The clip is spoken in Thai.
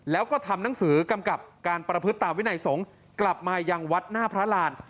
แล้วก็ทำหนังสือกำกับการประพฤติตามวินัยสงฆ์กลับมายังวัดหน้าพระราน